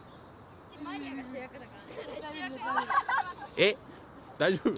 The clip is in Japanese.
えっ大丈夫？